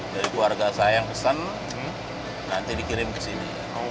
dari keluarga saya yang pesan nanti dikirim ke sini